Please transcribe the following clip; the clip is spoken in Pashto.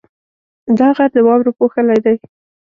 دا غر د واورو پوښلی دی.